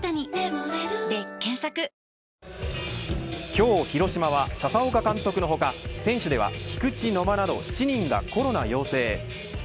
今日、広島は佐々岡監督の他選手では菊池、野間など７人がコロナ陽性。